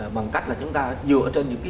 bằng cách là chúng ta dựa trên những cái